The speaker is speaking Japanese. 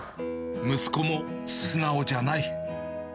息子も素直じゃない。